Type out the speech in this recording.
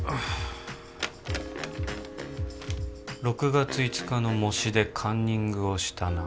「６月５日の模試でカンニングをしたな」